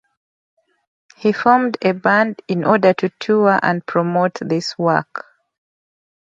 He formed a band in order to tour and promote this work.